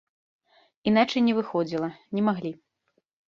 Іначай не выходзіла, не маглі.